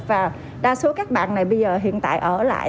và đa số các bạn này bây giờ hiện tại ở lại